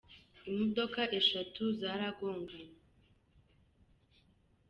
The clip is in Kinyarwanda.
Imodoka eshatu zaragonganye